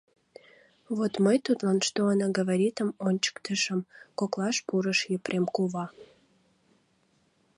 — Вот мый тудлан «что она говоритым» ончыктышым, — коклаш пурыш Епрем кува.